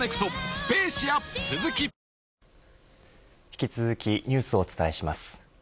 引き続きニュースをお伝えします。